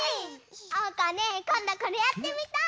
おうかねこんどこれやってみたい！